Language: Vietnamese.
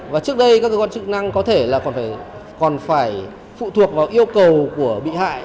và trước đây các cơ quan chức năng có thể là còn phải phụ thuộc vào yêu cầu của bị hại